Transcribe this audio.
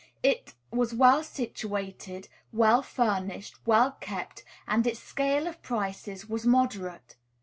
It was well situated, well furnished, well kept, and its scale of prices was moderate.